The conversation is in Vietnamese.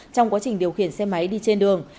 trong quá trình điều khiển xe máy đi trên đường